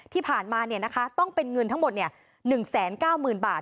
ที่ผ่านมาต้องเป็นเงินทั้งหมด๑๙๐๐๐บาท